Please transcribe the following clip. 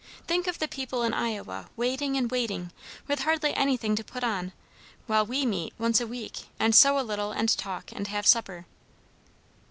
Think of the people in Iowa waiting and waiting, with hardly anything to put on, while we meet once a week and sew a little, and talk, and have supper."